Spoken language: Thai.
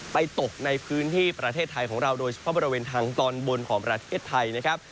ตกในพื้นที่ประเทศไทยของเราโดยเฉพาะบริเวณทางตอนบนของประเทศไทยนะครับ